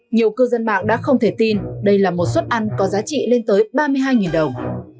nhiều cư dân mạng đã không thể tin đây là một suất ăn có giá trị lên tới ba mươi hai đồng